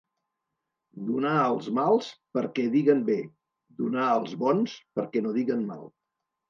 Donar als mals perquè diguen bé, donar als bons perquè no diguen mal.